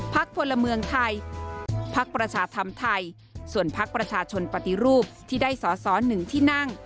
พลเมืองไทยพักประชาธรรมไทยส่วนพักประชาชนปฏิรูปที่ได้สอสอหนึ่งที่นั่ง